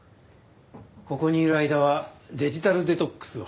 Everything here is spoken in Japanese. ここにいる間はデジタルデトックスを。